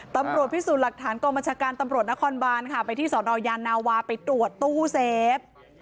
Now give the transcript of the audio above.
ตำรวจพิสูจน์หลักฐานกองบัญชาการตำรวจนครบานค่ะไปที่สนยานาวาไปตรวจตู้เซฟ